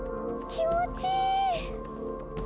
気持ちいい！